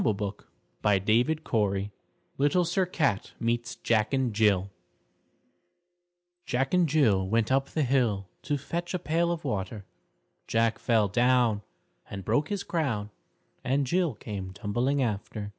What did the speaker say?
_ LITTLE SIR CAT Little Sir Cat Meets Jack and Jill _Jack and Jill Went up the hill To fetch a pail of water. Jack fell down And broke his crown, And Jill came tumbling after.